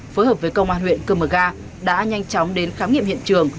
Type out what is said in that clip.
phối hợp với công an huyện cư mở ga đã nhanh chóng đến khám nghiệm hiện trường